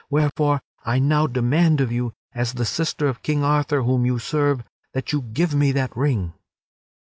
Wherefore, I now demand of you, as the sister of King Arthur whom you serve, that you give me that ring."